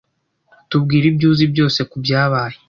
Tubwire ibyo uzi byose kubyabaye.